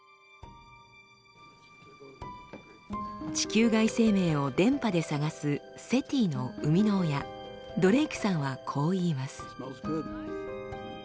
地球外生命を電波で探すＳＥＴＩの生みの親ドレイクさんはこう言います。